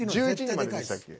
１１時まででしたっけ？